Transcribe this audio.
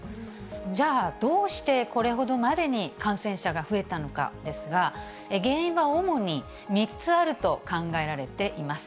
じゃあどうして、これほどまでに感染者が増えたのかですが、原因は主に３つあると考えられています。